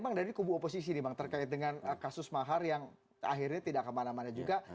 bang dari kubu oposisi nih bang terkait dengan kasus mahar yang akhirnya tidak kemana mana juga